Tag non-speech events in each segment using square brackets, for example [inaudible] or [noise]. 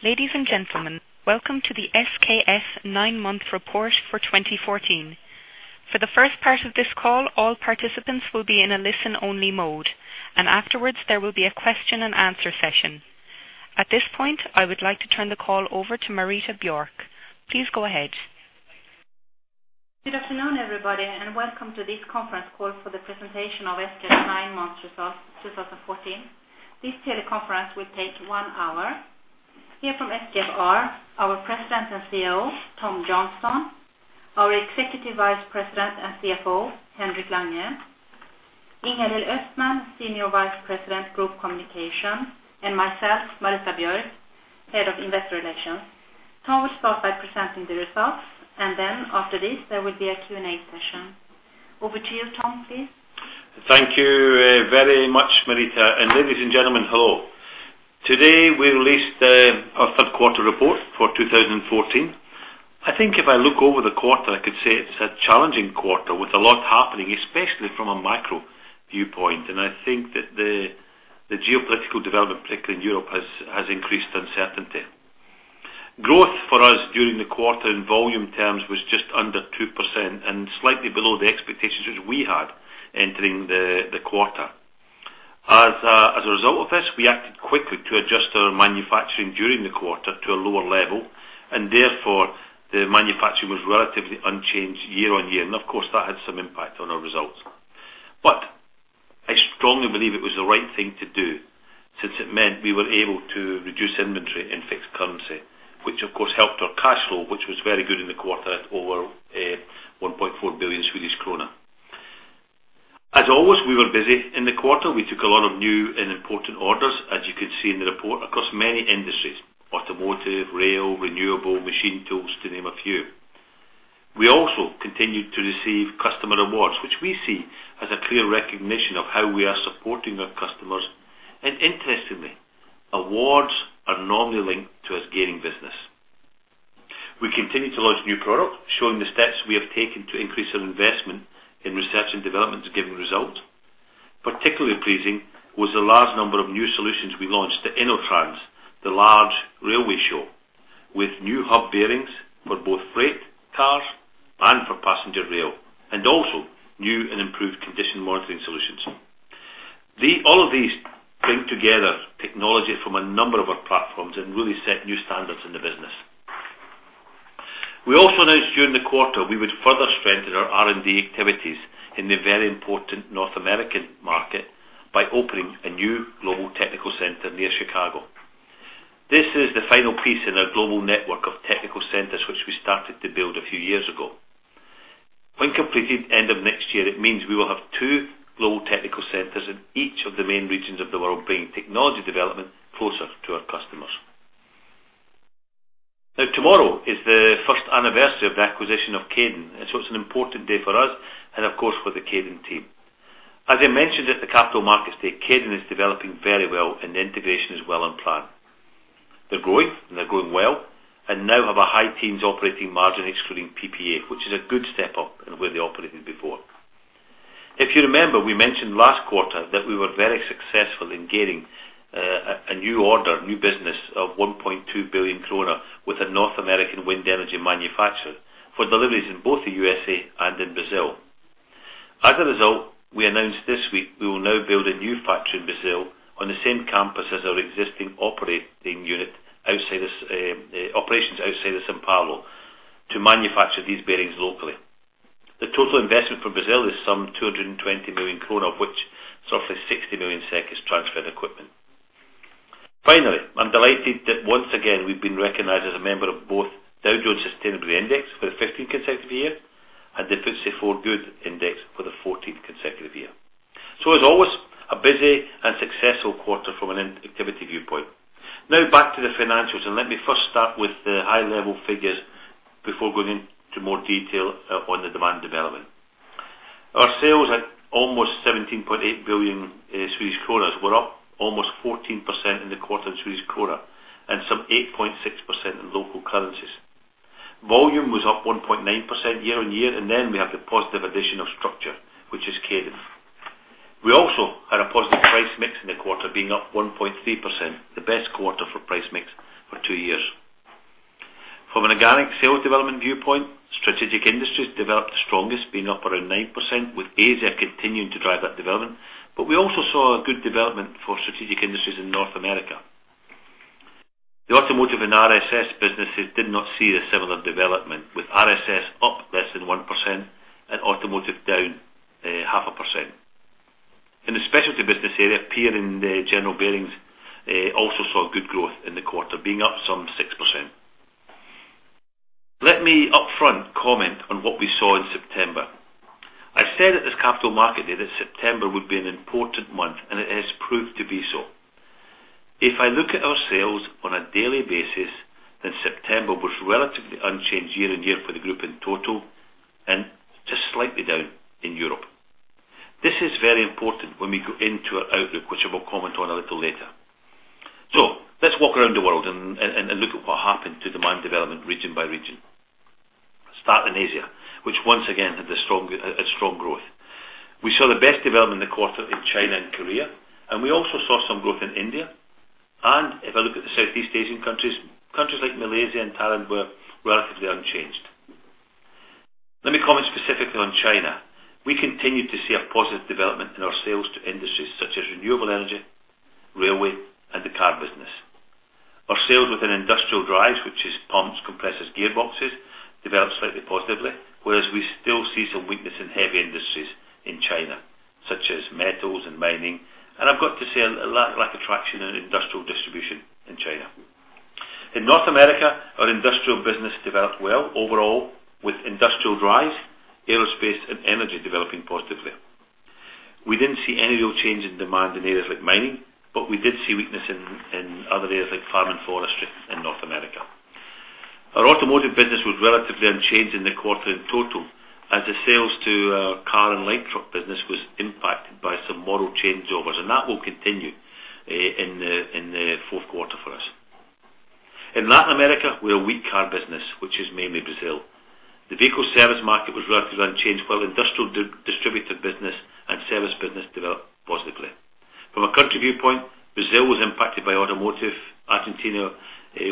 Ladies and gentlemen, welcome to the SKF nine-month report for 2014. For the first part of this call, all participants will be in a listen-only mode, and afterwards, there will be a question-and-answer session. At this point, I would like to turn the call over to Marita Björk. Please go ahead. Good afternoon, everybody, and welcome to this conference call for the presentation of SKF's 9 months results, 2014. This teleconference will take 1 hour. Here from SKF are our President and CEO, Tom Johnstone, our Executive Vice President and CFO, Henrik Lange, Ingalill Östman, Senior Vice President, Group Communications, and myself, Marita Björk, Head of Investor Relations. Tom will start by presenting the results, and then after this, there will be a Q&A session. Over to you, Tom, please. Thank you, very much, Marita. Ladies and gentlemen, hello. Today, we released our third quarter report for 2014. I think if I look over the quarter, I could say it's a challenging quarter with a lot happening, especially from a micro viewpoint. I think that the geopolitical development, particularly in Europe, has increased uncertainty. Growth for us during the quarter in volume terms was just under 2% and slightly below the expectations which we had entering the quarter. As a result of this, we acted quickly to adjust our manufacturing during the quarter to a lower level, and therefore, the manufacturing was relatively unchanged year-on-year, and of course, that had some impact on our results. But I strongly believe it was the right thing to do since it meant we were able to reduce inventory in fixed-currency, which, of course, helped our cash flow, which was very good in the quarter at over 1.4 billion Swedish krona. As always, we were busy in the quarter. We took a lot of new and important orders, as you can see in the report, across many industries: automotive, rail, renewable, machine tools, to name a few. We also continued to receive customer awards, which we see as a clear recognition of how we are supporting our customers, and interestingly, awards are normally linked to us gaining business. We continued to launch new products, showing the steps we have taken to increase our investment in research and development is giving results. Particularly pleasing was the large number of new solutions we launched at InnoTrans, the large railway show, with new hub bearings for both freight cars and for passenger rail, and also new and improved condition monitoring solutions. All of these bring together technology from a number of our platforms and really set new standards in the business. We also announced during the quarter, we would further strengthen our R&D activities in the very important North-American market by opening a new global technical center near Chicago. This is the final piece in our global network of technical centers, which we started to build a few years ago. When completed end of next year, it means we will have two global technical centers in each of the main regions of the world, bringing technology development closer to our customers. Now, tomorrow is the first anniversary of the acquisition of Kaydon, and so it's an important day for us and, of course, for the Kaydon team. As I mentioned at the Capital Markets Day, Kaydon is developing very well, and the integration is well on plan. They're growing, and they're growing well, and now have a high-teens operating margin, excluding PPA, which is a good step up in where they operated before. If you remember, we mentioned last quarter that we were very successful in gaining a new order, new business of 1.2 billion kronor with a North American wind energy manufacturer for deliveries in both the USA and in Brazil. As a result, we announced this week, we will now build a new factory in Brazil on the same campus as our existing operating unit, outside the operations outside of São Paulo, to manufacture these bearings locally. The total investment for Brazil is some 220 million krona, of which roughly 60 million SEK is transferred equipment. Finally, I'm delighted that once again, we've been recognized as a member of both Dow Jones Sustainability Index for the 15th consecutive year and the FTSE4Good Index for the 14th consecutive year. So as always, a busy and successful quarter from an activity viewpoint. Now, back to the financials, and let me first start with the high-level figures before going into more detail on the demand development. Our sales at almost 17.8 billion Swedish kronas were up almost 14% in the quarter in Swedish krona, and some 8.6% in local currencies. Volume was up 1.9% year-on-year, and then we have the positive addition of structure, which is Kaydon. We also had a positive price mix in the quarter, being up 1.3%, the best quarter for price mix for two years. From an organic sales development viewpoint, strategic industries developed the strongest, being up around 9%, with Asia continuing to drive that development. But we also saw a good development for strategic industries in North America. The automotive and RSS businesses did not see a similar development, with RSS up less than 1% and automotive down 0.5%. In the Specialty business area, bearing in the general bearings also saw good growth in the quarter, being up some 6%. Let me upfront comment on what we saw in September. I said at this Capital Markets Day that September would be an important month, and it has proved to be so. If I look at our sales on a daily basis, then September was relatively unchanged year-on-year for the group in total and just slightly down in Europe. This is very important when we go into our outlook, which I will comment on a little later. So let's walk around the world and look at what happened to demand development region by region... Start in Asia, which once again had a strong growth. We saw the best development in the quarter in China and Korea, and we also saw some growth in India. If I look at the Southeast Asian countries, countries like Malaysia and Thailand were relatively unchanged. Let me comment specifically on China. We continued to see a positive development in our sales to industries such as renewable energy, railway, and the car business. Our sales within industrial drives, which is pumps, compressors, gearboxes, developed slightly positively, whereas we still see some weakness in heavy industries in China, such as metals and mining, and I've got to say, a lack of traction in industrial distribution in China. In North America, our industrial business developed well overall, with industrial drives, aerospace, and energy developing positively. We didn't see any real change in demand in areas like mining, but we did see weakness in other areas like farm and forestry in North America. Our automotive business was relatively unchanged in the quarter in total, as the sales to our car and light truck business was impacted by some model changeovers, and that will continue in the fourth quarter for us. In Latin America, we have weak car business, which is mainly Brazil. The vehicle service market was relatively unchanged, while industrial distributor business and service business developed positively. From a country viewpoint, Brazil was impacted by automotive, Argentina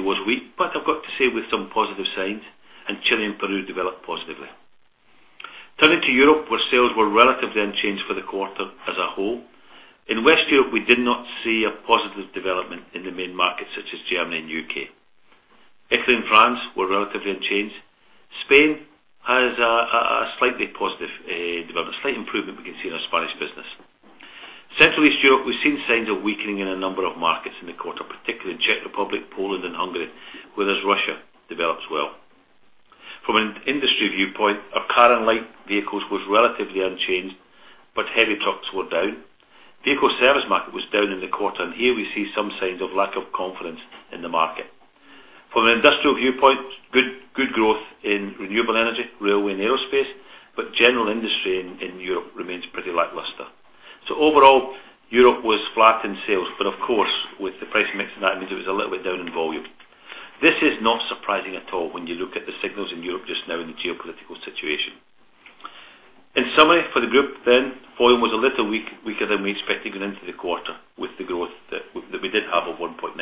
was weak, but I've got to say, with some positive signs, and Chile and Peru developed positively. Turning to Europe, where sales were relatively unchanged for the quarter as a whole. In West Europe, we did not see a positive development in the main markets, such as Germany and U.K. Italy and France were relatively unchanged. Spain has a slightly positive development, slight improvement we can see in our Spanish business. Central East Europe, we've seen signs of weakening in a number of markets in the quarter, particularly Czech Republic, Poland, and Hungary, whereas Russia develops well. From an industry viewpoint, our car and light vehicles was relatively unchanged, but heavy trucks were down. Vehicle service market was down in the quarter, and here we see some signs of lack of confidence in the market. From an industrial viewpoint, good growth in renewable energy, railway, and aerospace, but general industry in Europe remains pretty lackluster. So overall, Europe was flat in sales, but of course, with the price mix, and that means it was a little bit down in volume. This is not surprising at all when you look at the signals in Europe just now in the geopolitical situation. In summary, for the group, then, volume was a little weak, weaker than we expected going into the quarter with the growth that, that we did have of 1.9%.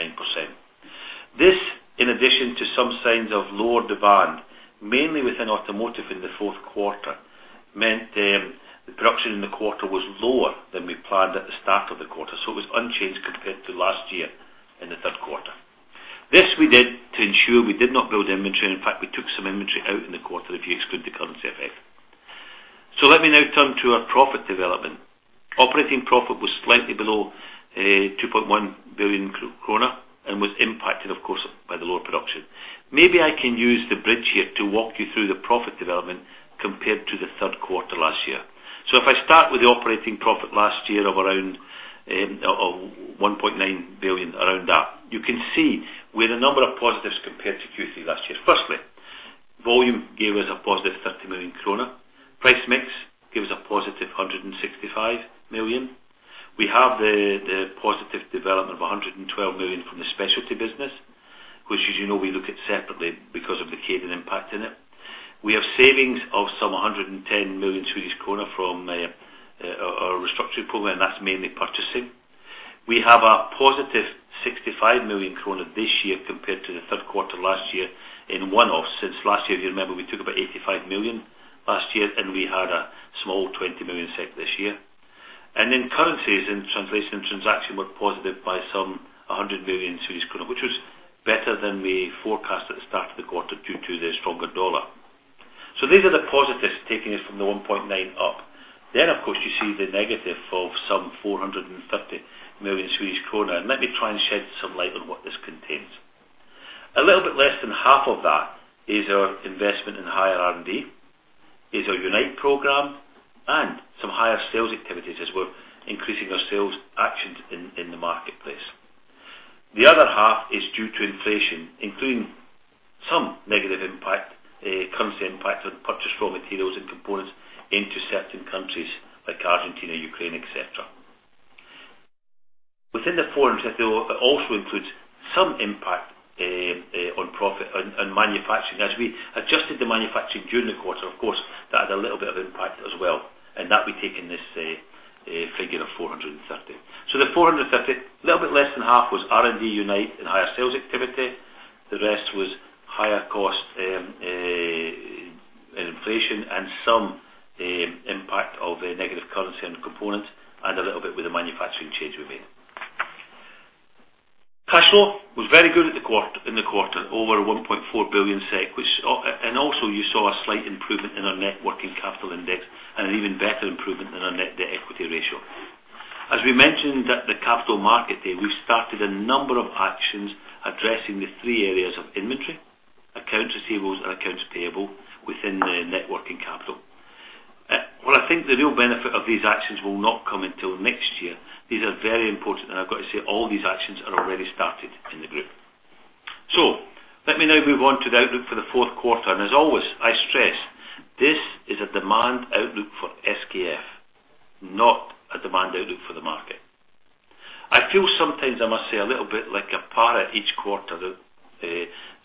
This, in addition to some signs of lower demand, mainly within automotive in the fourth quarter, meant the production in the quarter was lower than we planned at the start of the quarter, so it was unchanged compared to last year in the third quarter. This we did to ensure we did not build inventory. In fact, we took some inventory out in the quarter if you exclude the currency effect. So let me now turn to our profit development. Operating profit was slightly below 2.1 billion krona, and was impacted, of course, by the lower production. Maybe I can use the bridge here to walk you through the profit development compared to the third quarter last year. So if I start with the operating profit last year of around 1.9 billion, around that, you can see we had a number of positives compared to Q3 last year. Firstly, volume gave us a positive 30 million krona. Price mix gave us a positive 165 million krona. We have the positive development of 112 million from the specialty business, which, as you know, we look at separately because of the Kaydon impact in it. We have savings of some 110 million Swedish kronor from our restructuring program, and that's mainly purchasing. We have a positive 65 million kronor this year compared to the third quarter last year in one-offs, since last year, you remember, we took about 85 million last year, and we had a small 20 million SEK this year. And then currencies and translation and transaction were positive by some 100 million Swedish kronor, which was better than we forecasted at the start of the quarter due to the stronger dollar. So these are the positives, taking us from the 1.9 up. Then, of course, you see the negative of some 450 million Swedish kronor, and let me try and shed some light on what this contains. A little bit less than half of that is our investment in higher R&D, is our Unite program, and some higher sales activities, as we're increasing our sales actions in, in the marketplace. The other half is due to inflation, including some negative impact, currency impact on purchased raw materials and components into certain countries like Argentina, Ukraine, et cetera. Within the 450, it also includes some impact on profit and, and manufacturing. As we adjusted the manufacturing during the quarter, of course, that had a little bit of impact as well, and that we take in this figure of 450. The 450, little bit less than half was R&D, Unite, and higher sales activity. The rest was higher cost in inflation and some impact of the negative currency and components, and a little bit with the manufacturing change we made. Cash flow was very good in the quarter, over 1.4 billion SEK, which... And also, you saw a slight improvement in our net working-capital index, and an even better improvement in our net debt equity ratio. As we mentioned at the Capital Markets Day, we started a number of actions addressing the three areas of inventory, accounts receivables, and accounts payable within the net working-capital. Well, I think the real benefit of these actions will not come until next year. These are very important, and I've got to say, all these actions are already started in the group. So let me now move on to the outlook for the fourth quarter, and as always, I stress, this is a demand outlook for SKF, not a demand outlook for the market... I feel sometimes I must say a little bit like a parrot each quarter,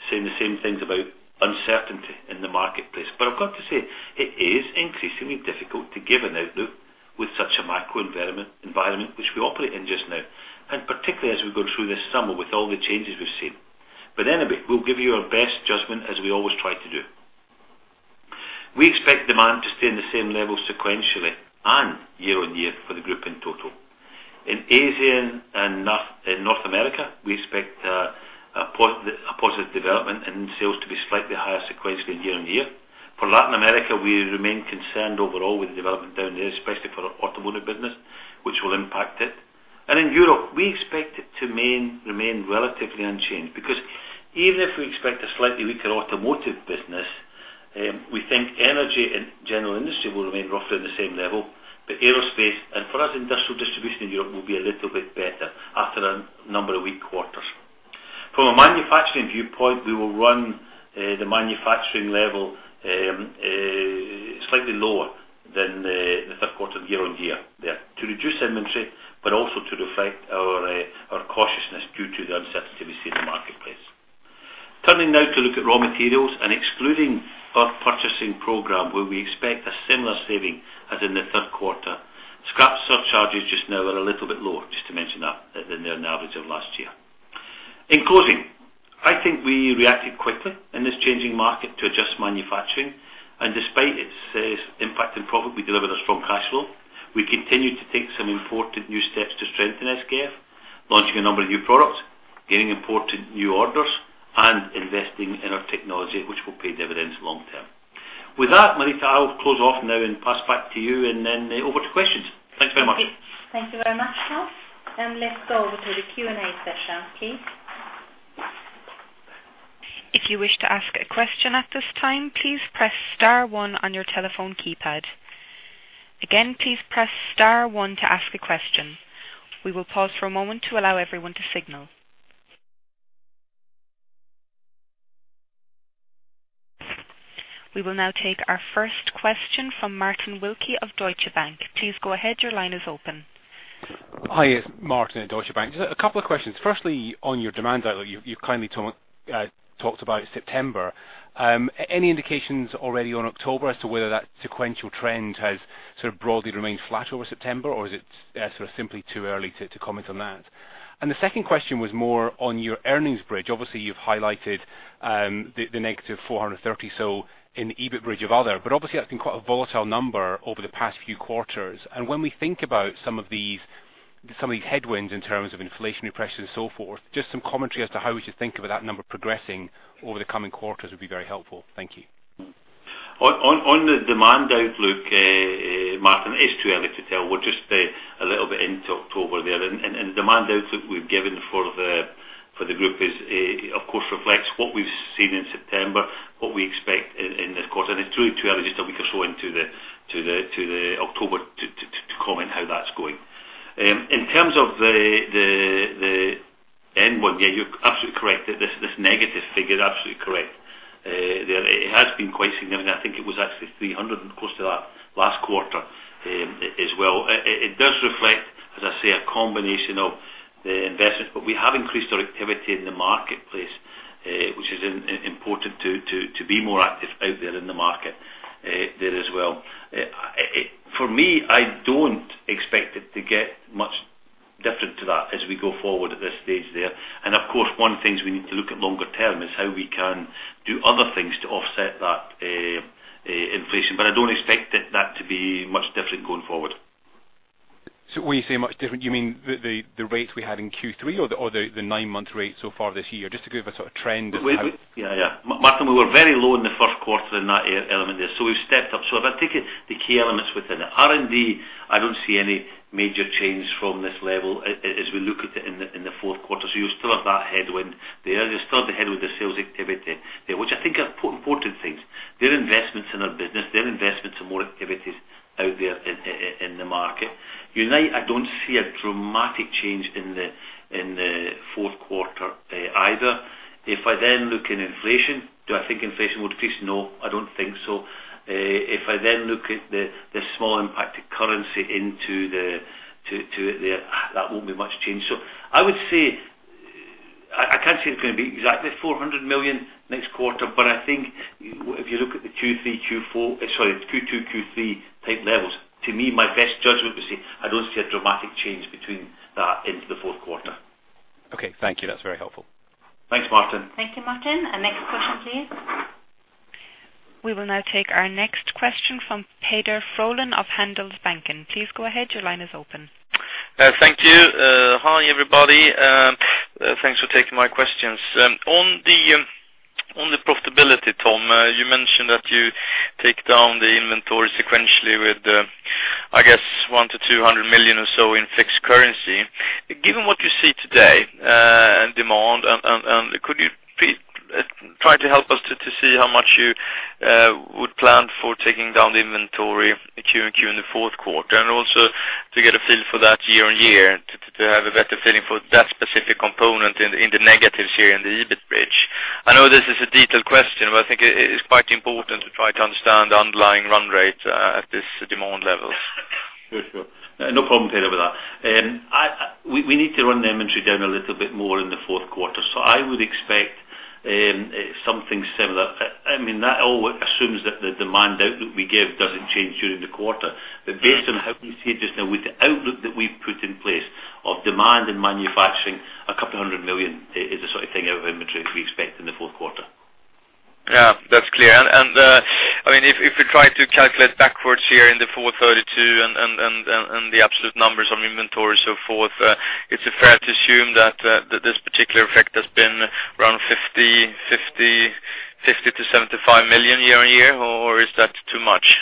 saying the same things about uncertainty in the marketplace. But I've got to say, it is increasingly difficult to give an outlook with such a macro environment which we operate in just now, and particularly as we go through this summer with all the changes we've seen. But anyway, we'll give you our best judgment as we always try to do. We expect demand to stay in the same level sequentially and year-on-year for the group in total. In Asian and North America, we expect a positive development, and sales to be slightly higher sequentially and year-on-year. For Latin America, we remain concerned overall with the development down there, especially for our automotive business, which will impact it. And in Europe, we expect it to remain relatively unchanged. Because even if we expect a slightly weaker automotive business, we think energy and general industry will remain roughly the same level. But aerospace, and for us, industrial distribution in Europe will be a little bit better after a number of weak quarters. From a manufacturing viewpoint, we will run the manufacturing level slightly lower than the third quarter year-on-year there. To reduce inventory, but also to reflect our cautiousness due to the uncertainty we see in the marketplace. Turning now to look at raw materials and excluding our purchasing program, where we expect a similar saving as in the third quarter. Scrap surcharges just now are a little bit lower, just to mention that, than their average of last year. In closing, I think we reacted quickly in this changing market to adjust manufacturing, and despite its impact on profit, we delivered a strong cash flow. We continued to take some important new steps to strengthen SKF, launching a number of new products, gaining important new orders, and investing in our technology, which will pay dividends long term. With that, Marita, I'll close off now and pass back to you, and then over to questions. Thanks very much. Thank you very much, Tom. Let's go over to the Q&A session, please. If you wish to ask a question at this time, please press star one on your telephone keypad. Again, please press star one to ask a question. We will pause for a moment to allow everyone to signal. We will now take our first question from Martin Wilkie of Deutsche Bank. Please go ahead. Your line is open. Hi, it's Martin at Deutsche Bank. Just a couple of questions. Firstly, on your demand outlook, you kindly talked about September. Any indications already on October as to whether that sequential trend has sort of broadly remained flat over September, or is it sort of simply too early to comment on that? And the second question was more on your earnings bridge. Obviously, you've highlighted the -430 or so in the EBIT bridge of other. But obviously, that's been quite a volatile number over the past few quarters. And when we think about some of these headwinds in terms of inflationary pressures and so forth, just some commentary as to how we should think about that number progressing over the coming quarters, would be very helpful. Thank you. On the demand outlook, Martin, it's too early to tell. We're just a little bit into October there, and the demand outlook we've given for the group is, of course, reflects what we've seen in September, what we expect in this quarter. And it's really too early, just a week or so into October to comment how that's going. In terms of the, [audio distortion] yeah, you're absolutely correct. This negative figure is absolutely correct. There it has been quite significant. I think it was actually 300, close to that, last quarter, as well. It does reflect, as I say, a combination of the investments, but we have increased our activity in the marketplace, which is important to be more active out there in the market, there as well. For me, I don't expect it to get much different to that as we go forward at this stage there. And of course, one things we need to look at longer term, is how we can do other things to offset that inflation. But I don't expect it, that to be much different going forward. So when you say much different, you mean the rates we had in Q3 or the nine-month rate so far this year? Just to give a sort of trend of how- Yeah, yeah. Martin, we were very low in the first quarter in that area, element there, so we've stepped up. So if I take it, the key elements within it. R&D, I don't see any major change from this level as we look at it in the fourth quarter, so you'll still have that headwind there. You'll still have the headwind with the sales activity, which I think are important things. They're investments in our business. They're investments in more activities out there in the market. Unite, I don't see a dramatic change in the fourth quarter either. If I then look in inflation, do I think inflation will decrease? No, I don't think so. If I then look at the small impact of currency into it there, that won't be much change. So I would say... I can't say it's going to be exactly 400 million next quarter, but I think if you look at the Q3, Q4, sorry, Q2, Q3 type levels, to me, my best judgment would say, I don't see a dramatic change between that into the fourth quarter. Okay. Thank you. That's very helpful. Thanks, Martin. Thank you, Martin. Our next question, please. We will now take our next question from Peder Frölén of Handelsbanken. Please go ahead. Your line is open. Thank you. Hi, everybody. Thanks for taking my questions. On the profitability, Tom, you mentioned that you take down the inventory sequentially with, I guess, 100 million-200 million or so in fixed-currency. Given what you see today, in demand, and could you try to help us to see how much you would plan for taking down the inventory Q-in-Q in the fourth quarter? And also to get a feel for that year-on-year, to have a better feeling for that specific component in the negatives here in the EBIT bridge. I know this is a detailed question, but I think it is quite important to try to understand the underlying run rate, at this demand level. Sure, sure. No problem, Peder, with that. We need to run the inventory down a little bit more in the fourth quarter. So I would expect something similar. I mean, that all assumes that the demand outlook we give doesn't change during the quarter. But based on how we see it just now, with the outlook that we've put in place of demand and manufacturing, 200 million is the sort of thing of inventory we expect in the fourth quarter. Yeah, that's clear. I mean, if we try to calculate backwards here in the 432 and the absolute numbers on inventory, so forth, is it fair to assume that this particular effect has been around 50 million-75 million year-over-year, or is that too much?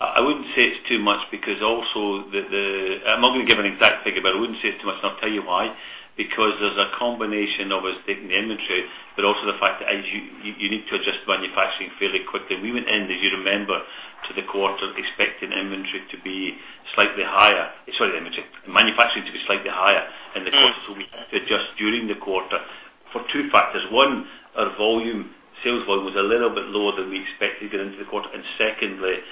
I wouldn't say it's too much because also the... I'm not going to give an exact figure, but I wouldn't say it's too much, and I'll tell you why. Because there's a combination of us taking the inventory, but also the fact that as you need to adjust manufacturing fairly quickly. We went in, as you remember, to the quarter, expecting inventory to be slightly higher. Sorry, inventory. Manufacturing to be slightly higher in the- Mm. -quarter, so we had to adjust during the quarter for two factors. One, our volume, sales volume, was a little bit lower than we expected going into the quarter. And secondly,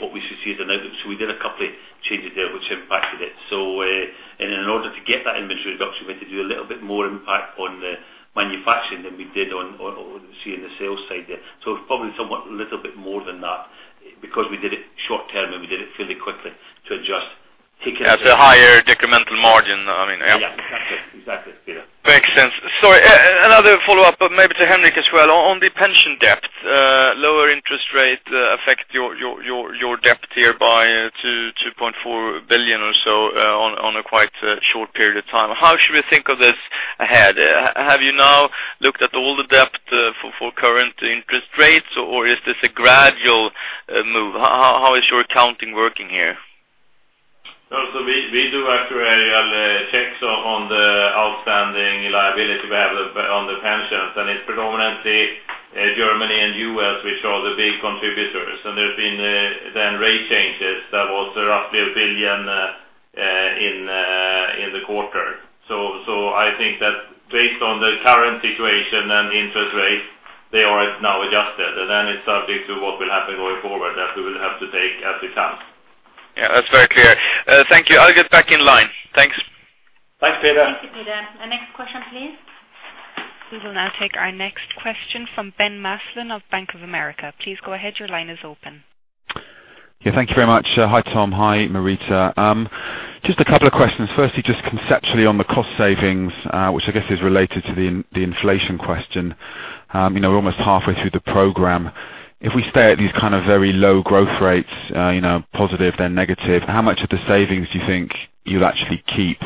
what we should see as an output. So we did a couple of changes there, which impacted it. So, and in order to get that inventory reduction, we had to do a little bit more impact on the manufacturing than we did on seeing the sales side there. So it's probably somewhat a little bit more than that because we did it short-term, and we did it fairly quickly to adjust, taking- At a higher incremental margin, I mean, yeah. Yeah, exactly. Exactly, Peder. Makes sense. Sorry, another follow-up, but maybe to Henrik as well. On the pension debt, lower interest rate affect your debt here by 2.4 billion or so, on a quite short period of time. How should we think of this ahead? Have you now looked at all the debt for current interest rates, or is this a gradual move? How is your accounting working here? Also, we do actuarial checks on the outstanding liability we have on the pensions, and it's predominantly Germany and U.S., which are the big contributors. So there's been then rate changes. That was roughly 1 billion in the quarter. So I think that based on the current situation and interest rates, they are now adjusted, and then it's subject to what will happen going forward, that we will have to take as it comes. Yeah, that's very clear. Thank you. I'll get back in line. Thanks. Thanks, Peder. Thank you, Peder. The next question, please. We will now take our next question from Ben Maslen of Bank of America. Please go ahead. Your line is open. Yeah, thank you very much. Hi, Tom. Hi, Marita. Just a couple of questions. Firstly, just conceptually on the cost savings, which I guess is related to the inflation question. You know, we're almost halfway through the program. If we stay at these kind of very low growth rates, you know, positive, then negative, how much of the savings do you think you'll actually keep?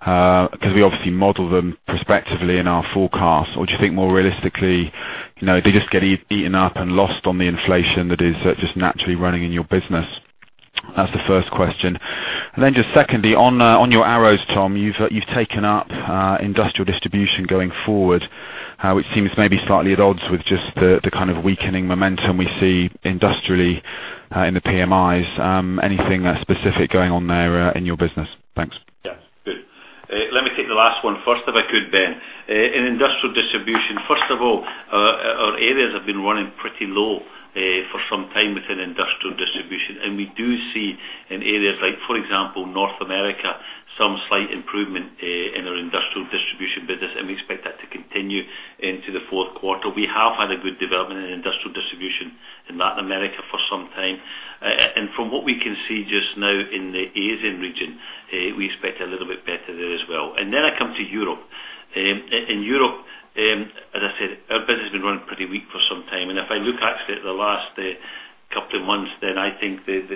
Because we obviously model them prospectively in our forecast. Or do you think more realistically, you know, they just get eaten up and lost on the inflation that is just naturally running in your business? That's the first question. And then just secondly, on your arrows, Tom, you've taken up industrial distribution going forward, which seems maybe slightly at odds with just the kind of weakening momentum we see industrially in the PMIs. Anything specific going on there in your business? Thanks. Yeah, good. Let me take the last one first, if I could, Ben. In industrial distribution, first of all, our areas have been running pretty low for some time within industrial distribution. And we do see in areas like, for example, North America, some slight improvement in our industrial distribution business, and we expect that to continue into the fourth quarter. We have had a good development in industrial distribution in Latin America for some time. And from what we can see just now in the Asian region, we expect a little bit better there as well. And then I come to Europe. In Europe, as I said, our business has been running pretty weak for some time. And if I look actually at the last couple of months, then I think the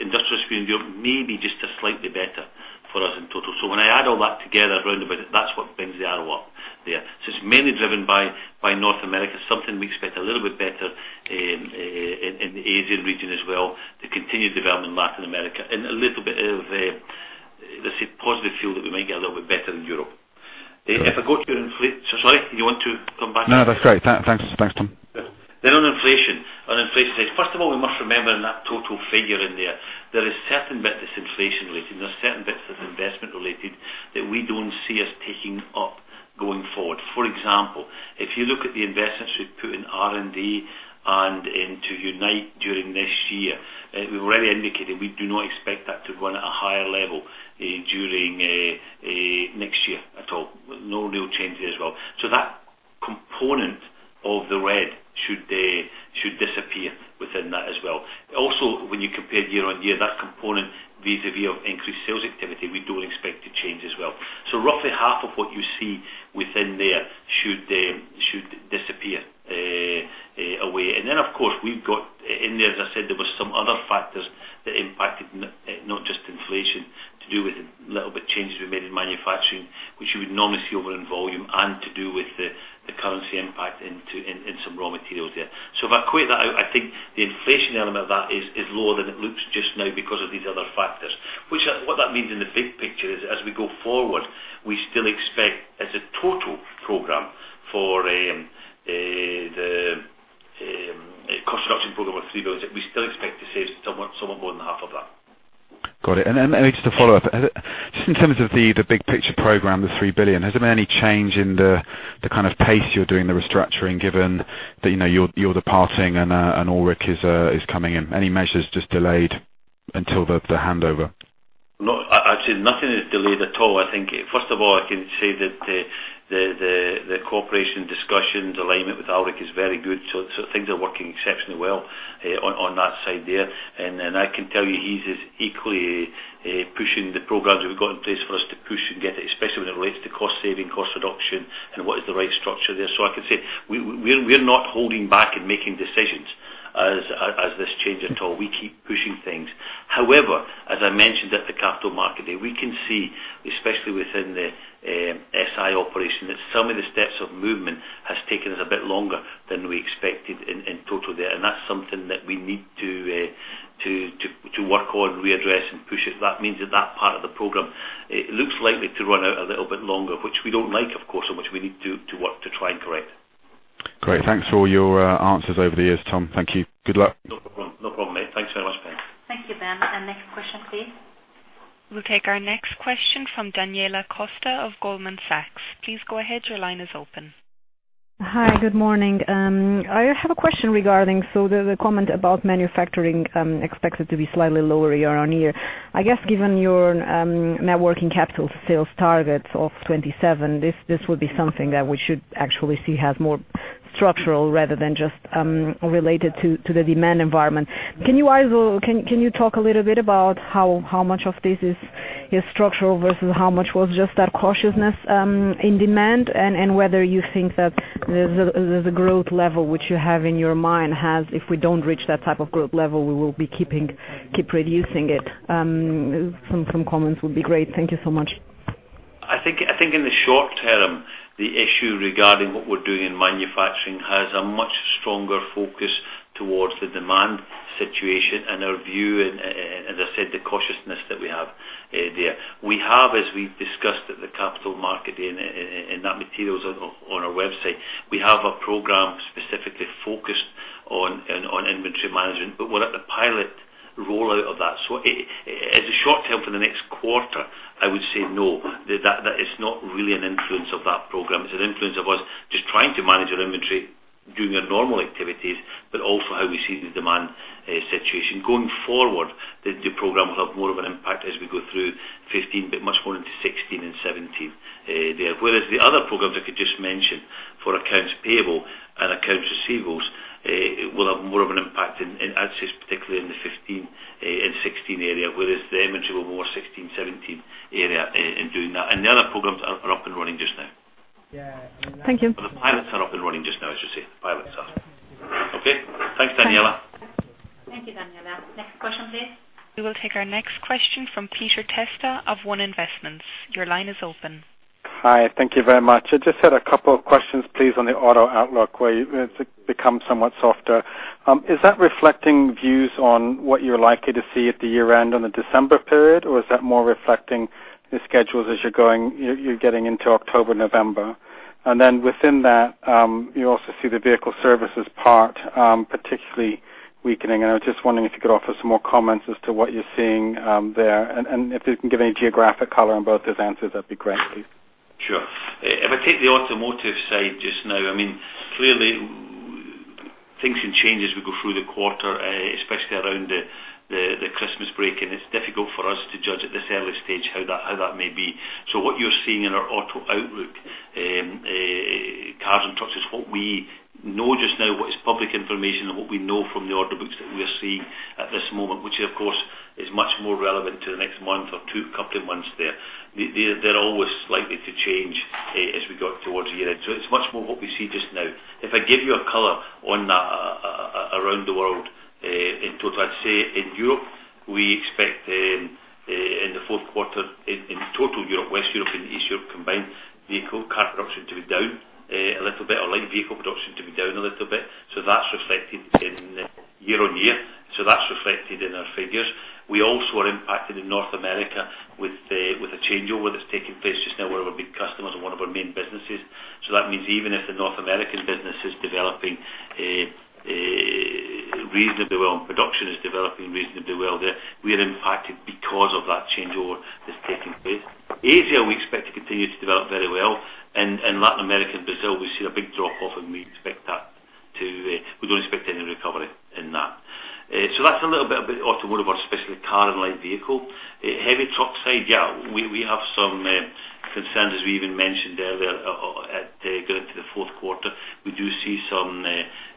industrial sphere in Europe may be just a slightly better for us in total. So when I add all that together, round about it, that's what brings the arrow up there. So it's mainly driven by North America, something we expect a little bit better in the Asian region as well, the continued development in Latin America, and a little bit of a, let's say, positive feel that we might get a little bit better in Europe. Sorry, you want to come back? No, that's great. Thanks. Thanks, Tom. Then on inflation. On inflation, first of all, we must remember in that total figure in there, there is certain bit that's inflation related, and there's certain bits that's investment related, that we don't see as picking up going forward. For example, if you look at the investments we've put in R&D and into Unite during this year, we've already indicated we do not expect that to run at a higher level during next year at all. No real change there as well. So that component of the red should disappear within that as well. Also, when you compare year-on-year, that component, vis-à-vis of increased sales activity, we don't expect to change as well. So roughly half of what you see within there should disappear away. And then, of course, we've got it in there, as I said, there were some other factors that impacted not just inflation, to do with the little bit changes we made in manufacturing, which you would normally see over in volume and to do with the, the currency impact into, in, in some raw materials there. So if I equate that out, I think the inflation element of that is lower than it looks just now because of these other factors. Which are what that means in the big picture is, as we go forward, we still expect as a total program for SEK 3 billion that we still expect to save somewhat more than half of that. Got it. And then, just to follow up, just in terms of the big picture program, the 3 billion, has there been any change in the kind of pace you're doing the restructuring, given that, you know, you're departing and Alrik is coming in? Any measures just delayed until the handover? No, actually, nothing is delayed at all. I think, first of all, I can say that the cooperation, discussions, alignment with Alrik is very good. So things are working exceptionally well on that side there. And then I can tell you, he's as equally pushing the programs we've got in place for us to push and get it, especially when it relates to cost saving, cost reduction, and what is the right structure there. So I can say, we're not holding back in making decisions as this change at all. We keep pushing things. However, as I mentioned at the Capital Markets Day, we can see, especially within the SI operation, that some of the steps of movement has taken us a bit longer than we expected in total there. That's something that we need to work on, readdress, and push it. That means that part of the program, it looks likely to run out a little bit longer, which we don't like, of course, and which we need to work to try and correct. Great. Thanks for all your answers over the years, Tom. Thank you. Good luck. No problem. No problem, mate. Thanks so much, Ben. Thank you, Ben. Next question, please. We'll take our next question from Daniela Costa of Goldman Sachs. Please go ahead. Your line is open. Hi, good morning. I have a question regarding so the comment about manufacturing expected to be slightly lower year-on-year. I guess, given your net working-capital sales targets of 27, this would be something that we should actually see as more structural rather than just related to the demand environment. Can you talk a little bit about how much of this is structural versus how much was just that cautiousness in demand? And whether you think that the growth level, which you have in your mind, has, if we don't reach that type of growth level, we will keep reducing it. Some comments would be great. Thank you so much. I think in the short term, the issue regarding what we're doing in manufacturing has a much stronger focus towards the demand situation and our view, and as I said, the cautiousness that we have there. We have, as we've discussed at the Capital Markets Day, and that material is on our website, we have a program specifically focused on inventory management, but we're at the pilot rollout of that. So as a short term for the next quarter, I would say no, that is not really an influence of that program. It's an influence of us just trying to manage our inventory, doing our normal activities, but also how we see the demand situation. Going forward, the program will have more of an impact as we go through 2015, but much more into 2016 and 2017 there. Whereas the other programs I could just mention for accounts payable and accounts receivables will have more of an impact in excess, particularly in the 2015 and 2016 area, whereas the inventory will more 2016, 2017 area in doing that. The other programs are up and running just now. Thank you. The pilots are up and running just now, as you say. Pilots are. Okay? Thanks, Daniela. Thank you, Daniela. Next question, please. We will take our next question from Peter Testa of One Investments. Your line is open. Hi, thank you very much. I just had a couple of questions, please, on the auto outlook, where it's become somewhat softer. Is that reflecting views on what you're likely to see at the year-end on the December period, or is that more reflecting the schedules as you're getting into October, November? And then within that, you also see the vehicle services part, particularly weakening. And I was just wondering if you could offer some more comments as to what you're seeing there, and if you can give any geographic color on both those answers, that'd be great, please. Sure. If I take the automotive side just now, I mean, clearly things can change as we go through the quarter, especially around the Christmas break, and it's difficult for us to judge at this early stage how that may be. So what you're seeing in our auto outlook, cars and trucks, is what we know just now, what is public information and what we know from the order books that we're seeing at this moment, which of course, is much more relevant to the next month or two, couple of months there. They're always likely to change, as we go towards the year-end. So it's much more what we see just now. If I give you a color on that, around the world, in total, I'd say in Europe, we expect, in the fourth quarter, in total Europe, West Europe and East Europe combined, vehicle car production to be down, a little bit, or light vehicle production to be down a little bit. So that's reflected in year-on-year. So that's reflected in our figures. We also are impacted in North America with the, with a changeover that's taking place just now with one of our big customers and one of our main businesses. So that means even if the North American business is developing, reasonably well, and production is developing reasonably well there, we are impacted because of that changeover that's taking place. Asia, we expect to continue to develop very well, and Latin America and Brazil, we see a big drop-off, and we expect that to. We don't expect any recovery in that. So that's a little bit about the automotive, but especially car and light vehicle. Heavy truck side, we have some concerns, as we even mentioned earlier, going into the fourth quarter. We do see some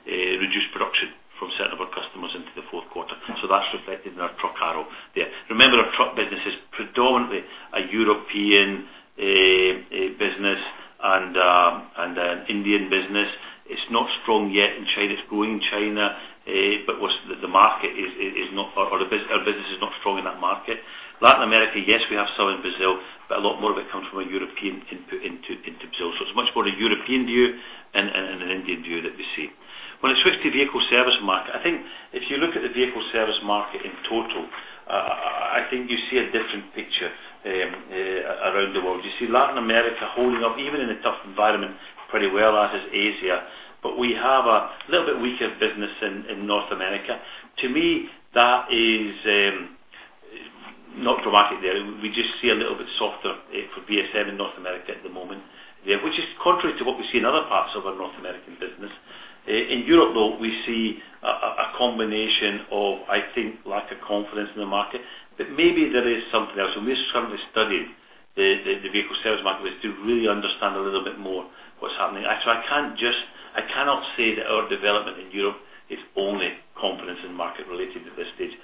reduced production from certain of our customers into the fourth quarter. So that's reflected in our truck area there. Remember, our truck business is predominantly a European business and an Indian business. It's not strong yet in China. It's growing in China, but the market is not, or the business, our business is not strong in that market. Latin America, yes, we have some in Brazil, but a lot more of it comes from a European input into Brazil. So it's much more a European view and an Indian view that we see. When I switch to vehicle service market, I think if you look at the vehicle service market in total, I think you see a different picture around the world. You see Latin America holding up, even in a tough environment, pretty well, as is Asia, but we have a little bit weaker business in North America. To me, that is not dramatic there. We just see a little bit softer for VSM in North America at the moment, yeah, which is contrary to what we see in other parts of our North American business. In Europe, though, we see a combination of, I think, lack of confidence in the market, but maybe there is something else. And we're currently studying the vehicle service market to really understand a little bit more what's happening. Actually, I cannot say that our development in Europe is only confidence in market related at this stage.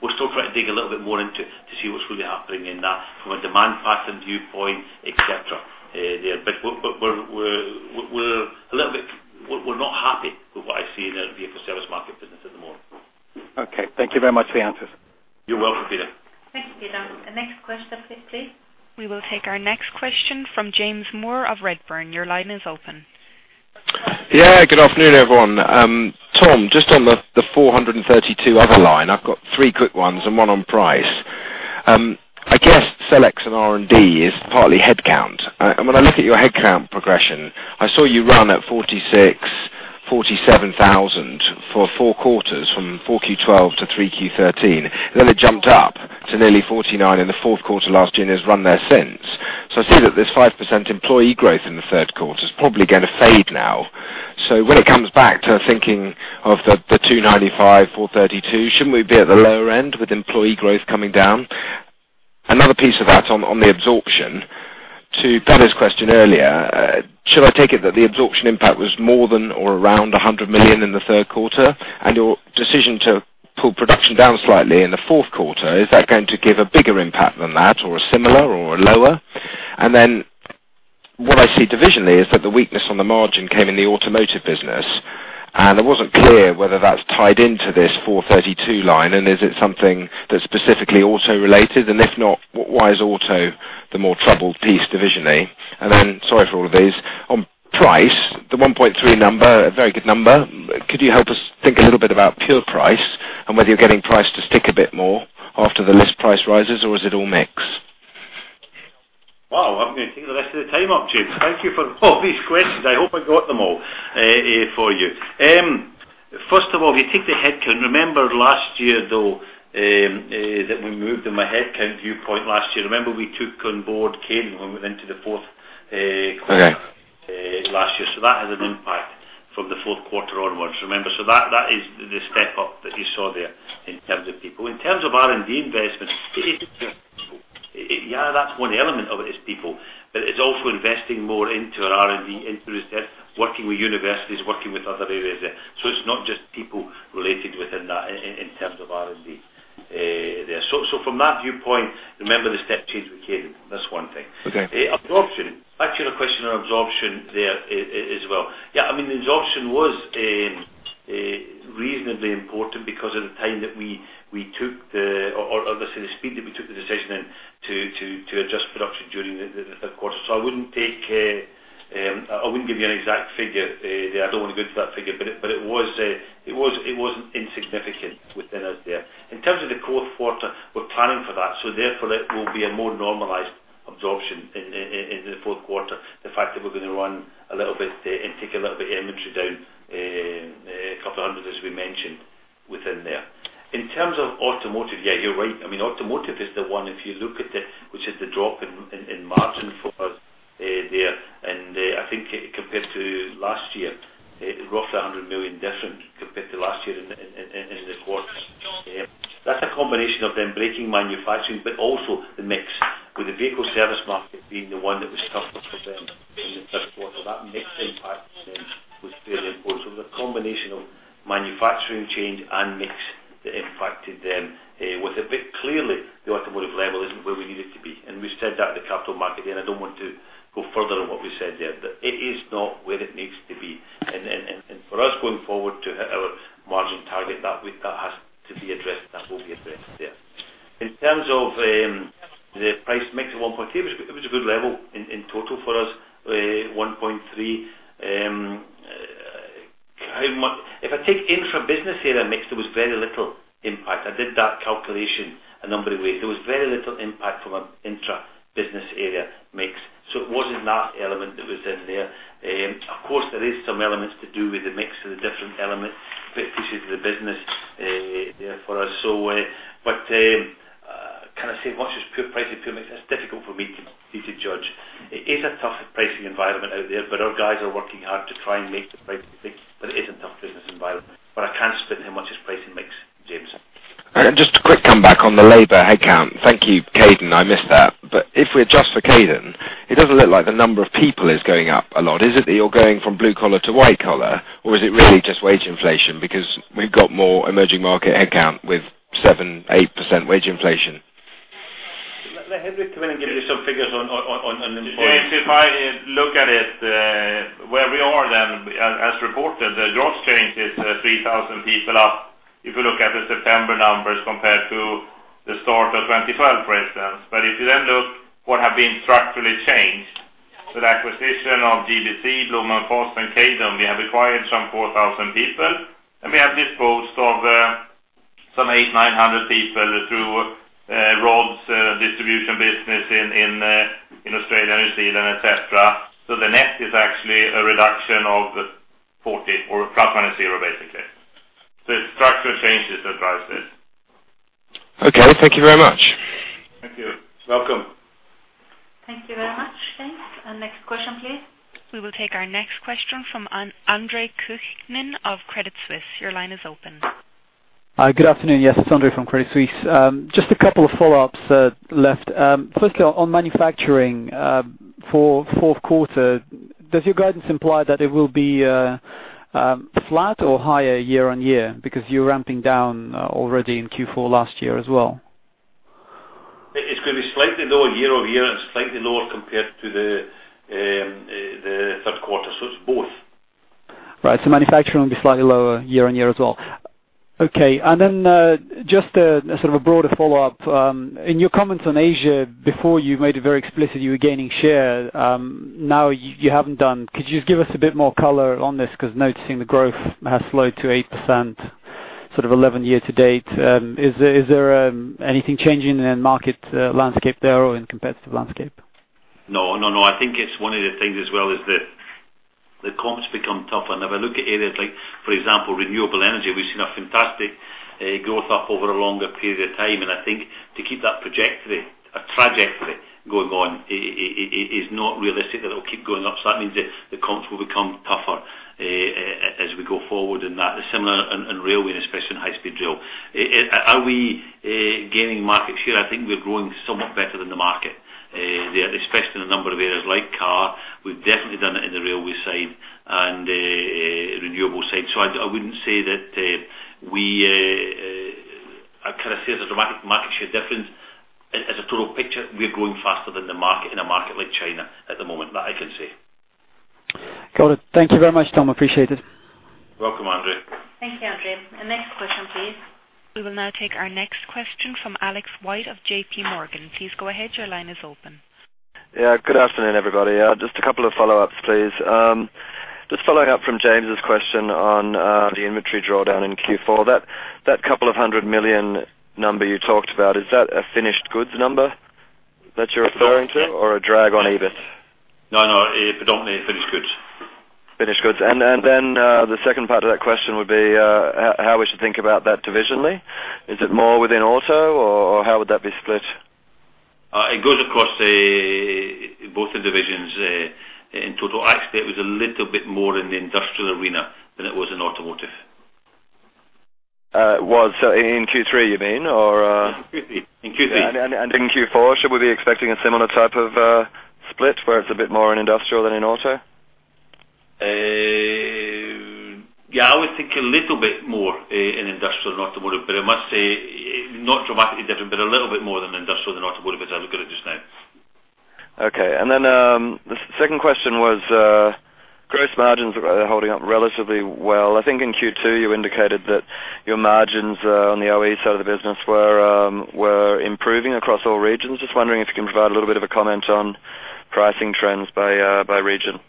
We're still trying to dig a little bit more into to see what's really happening in that, from a demand pattern viewpoint, et cetera, there. But we're a little bit... We're not happy with what I see in the vehicle service market business at the moment. Okay. Thank you very much for the answers. You're welcome, Peter. Thank you, Peter. The next question, please. We will take our next question from James Moore of Redburn. Your line is open. Yeah, good afternoon, everyone. Tom, just on the 432 other line, I've got three quick ones and one on price. I guess sales and R&D is partly headcount. And when I look at your headcount progression, I saw you run at 46,000-47,000 for four quarters, from 4Q12 to 3Q13. Then it jumped up to nearly 49,000 in the fourth quarter last year, and it's run there since. So I see that this 5% employee growth in the third quarter is probably gonna fade now. So when it comes back to thinking of the 295, 432, shouldn't we be at the lower end with employee growth coming down? Another piece of that on the absorption, to Pader's question earlier, should I take it that the absorption impact was more than or around 100 million in the third quarter? And your decision to pull production down slightly in the fourth quarter, is that going to give a bigger impact than that, or similar, or lower? And then, what I see divisionally is that the weakness on the margin came in the automotive business, and it wasn't clear whether that's tied into this 432 line. And is it something that's specifically auto-related? And if not, why is auto the more troubled piece divisionally? And then, sorry for all of these, on price, the 1.3% number, a very good number. Could you help us think a little bit about pure price and whether you're getting price to stick a bit more after the list price rises, or is it all mix? Wow! I'm gonna take the rest of the time up, James. Thank you for all these questions. I hope I got them all for you. First of all, if you take the headcount, remember last year, though, that we moved in my headcount viewpoint last year. Remember, we took on board Kaydon when we went into the fourth quarter- Okay... last year. So that had an impact from the fourth quarter onwards, remember. So that, that is the step up that you saw there in terms of people. In terms of R&D investment, yeah, that's one element of it, is people. But it's also investing more into our R&D, into research, working with universities, working with other areas there. So it's not just people related within that, in terms of R&D, there. So from that viewpoint, remember the step change with Kaydon. That's one thing. Okay. Absorption. Back to your question on absorption there, as well. Yeah, I mean, the absorption was reasonably important because of the speed that we took the decision into adjust production during the course. So I wouldn't take, I wouldn't give you an exact figure, I don't want to go into that figure, but it was, it wasn't insignificant within it there. In terms of the fourth quarter, we're planning for that, so therefore, it will be a more normalized absorption in the fourth quarter. The fact that we're gonna run a little bit and take a little bit of inventory down, 200, as we mentioned, within there. In terms of automotive, yeah, you're right. I mean, automotive is the one, if you look at the, which is the drop in, in, in margin for us, there. I think compared to last year, roughly 100 million different compared to last year in the quarter. That's a combination of them braking manufacturing, but also the mix, with the vehicle service market being the one that was tougher for them in the third quarter. That mix impact then was very important. So it was a combination of manufacturing change and mix that impacted them. Clearly, the automotive level isn't where we need it to be, and we said that at the capital market, and I don't want to go further on what we said there. It is not where it needs to be. For us, going forward to hit our margin target, that has to be addressed, and that will be addressed there. In terms of the price mix of 1.3, it was a good level in total for us, 1.3. How much—If I take intra-business area mix, there was very little impact. I did that calculation a number of ways. There was very little impact from an intra-business area mix, so it wasn't that element that was in there. Of course, there is some elements to do with the mix of the different elements, but pieces of the business there for us. So, but, can I say much as pure pricing pure mix? That's difficult for me to, me to judge. It is a tougher pricing environment out there, but our guys are working hard to try and make the pricing, but it is a tough business environment. But I can't split how much it's pricing makes, James. Just a quick comeback on the labor headcount. Thank you, Kaydon, I missed that. But if we adjust for Kaydon, it doesn't look like the number of people is going up a lot. Is it that you're going from blue collar to white collar, or is it really just wage inflation? Because we've got more emerging market headcount with 7%-8% wage inflation. Let Henrik come in and give you some figures on employees. If I look at it, where we are then, as reported, the jobs change is 3,000 people up, if you look at the September numbers compared to the start of 2012, for instance. But if you then look what have been structurally changed, with the acquisition of GBC, Blohm + Voss and Kaydon, we have acquired some 4,000 people, and we have disposed of some 800-900 people through raw- ...business in Australia, New Zealand, et cetera. So the net is actually a reduction of 40 ± 0, basically. The structure changes that drives it. Okay, thank you very much. Thank you. Welcome. Thank you very much, James. Next question, please. We will take our next question from Andre Kukhnin of Credit Suisse. Your line is open. Good afternoon. Yes, it's Andre from Credit Suisse. Just a couple of follow-ups left. Firstly, on manufacturing, for fourth quarter, does your guidance imply that it will be flat or higher year-on-year? Because you're ramping down already in Q4 last year as well. It's gonna be slightly lower year-over-year, and slightly lower compared to the third quarter, so it's both. Right. So manufacturing will be slightly lower year-on-year as well. Okay. And then, just a sort of a broader follow-up. In your comments on Asia, before you made it very explicit, you were gaining share. Now, you haven't done. Could you just give us a bit more color on this? Because noticing the growth has slowed to 8%, sort of 11% year-to-date. Is there anything changing in market landscape there or in competitive landscape? No, no, no. I think it's one of the things as well, is the comps become tougher. And if I look at areas like, for example, renewable energy, we've seen a fantastic growth over a longer period of time. And I think to keep that trajectory, a trajectory going on, it is not realistic that it'll keep going up. So that means the comps will become tougher as we go forward, and that is similar in railway and especially in high-speed rail. Are we gaining market share? I think we're growing somewhat better than the market there, especially in a number of areas like car. We've definitely done it in the railway side and renewable side. So I, I wouldn't say that, we, I kind of see it as a dramatic market share difference. As, as a total picture, we're growing faster than the market in a market like China at the moment. That I can say. Got it. Thank you very much, Tom. Appreciate it. Welcome, Andre. Thank you, Andre. The next question, please. We will now take our next question from Alex White of JPMorgan. Please go ahead. Your line is open. Yeah, good afternoon, everybody. Just a couple of follow-ups, please. Just following up from James' question on the inventory drawdown in Q4. That, that couple of hundred million number you talked about, is that a finished goods number that you're referring to? Yes. or a drag on EBIT? No, no, it predominantly finished goods. Finished goods. And then, the second part of that question would be, how we should think about that divisionally? Is it more within auto, or how would that be split? It goes across both the divisions, in total. Actually, it was a little bit more in the industrial arena than it was in automotive. So, in Q3, you mean, or In Q3. In Q3. In Q4, should we be expecting a similar type of split, where it's a bit more in industrial than in auto? Yeah, I would think a little bit more in industrial than automotive, but I must say, not dramatically different, but a little bit more in industrial than automotive, as I look at it just now. Okay. And then, the second question was, gross margins are holding up relatively well. I think in Q2, you indicated that your margins, on the OE side of the business were improving across all regions. Just wondering if you can provide a little bit of a comment on pricing trends by region.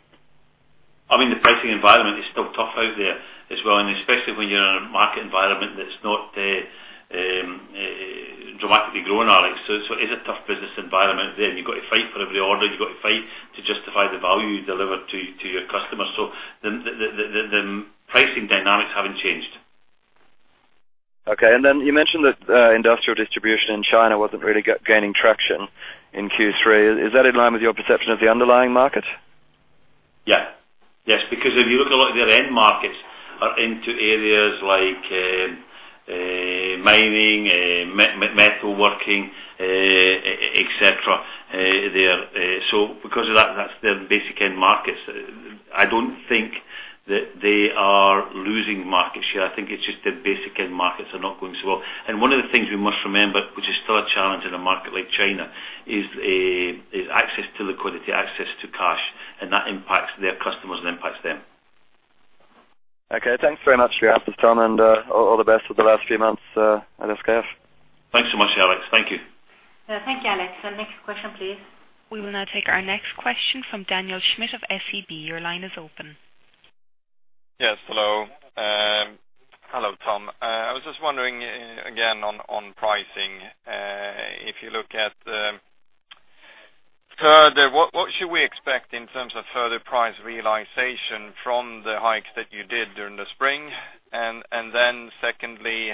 I mean, the pricing environment is still tough out there as well, and especially when you're in a market environment that's not dramatically growing, Alex. So it is a tough business environment there, and you've got to fight for every order. You've got to fight to justify the value you deliver to your customers. So the pricing dynamics haven't changed. Okay. And then you mentioned that industrial distribution in China wasn't really gaining traction in Q3. Is that in line with your perception of the underlying market? Yeah. Yes, because if you look a lot of their end markets are into areas like, mining, metalworking, et cetera, they are. So because of that, that's their basic end markets. I don't think that they are losing market share. I think it's just their basic end markets are not going so well. And one of the things we must remember, which is still a challenge in a market like China, is access to liquidity, access to cash, and that impacts their customers and impacts them. Okay, thanks very much for your answers, Tom, and all the best with the last few months at SKF. Thanks so much, Alex. Thank you. Thank you, Alex. Our next question, please. We will now take our next question from Daniel Schmidt of SEB. Your line is open. Yes, hello. Hello, Tom. I was just wondering, again, on pricing. If you look at, further, what should we expect in terms of further price realization from the hikes that you did during the spring? And then secondly,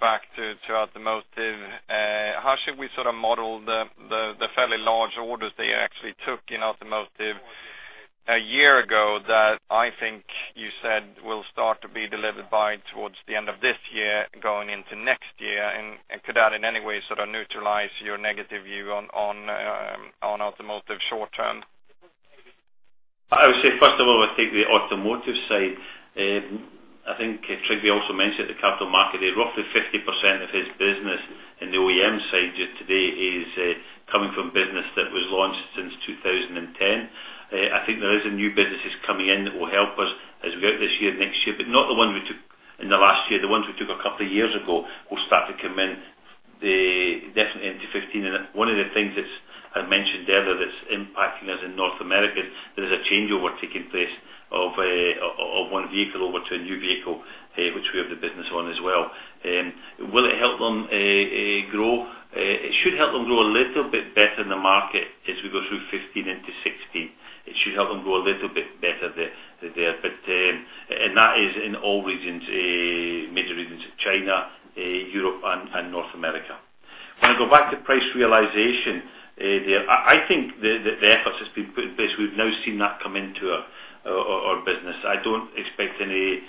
back to automotive, how should we sort of model the fairly large orders that you actually took in automotive a year ago, that I think you said will start to be delivered by towards the end of this year, going into next year? And could that in any way, sort of neutralize your negative view on automotive short term? I would say, first of all, I think the automotive side, I think Tryggve also mentioned the capital market, roughly 50% of his business in the OEM side today is coming from business that was launched since 2010. I think there is a new businesses coming in that will help us as we go out this year, next year, but not the ones we took in the last year. The ones we took a couple of years ago will start to come in, definitely into 2015. And one of the things I mentioned earlier, that's impacting us in North America. There is a changeover taking place of one vehicle over to a new vehicle, which we have the business on as well. And will it help them grow? It should help them grow a little bit better in the market as we go through 2015 into 2016. It should help them grow a little bit better there, but and that is in all regions, major regions, China, Europe, and North America. When I go back to price realization, I think the efforts that's been put in place, we've now seen that come into our business. I don't expect any